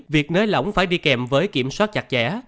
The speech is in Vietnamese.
việc nới lỏng phải đi kèm với kiểm soát chặt chẽ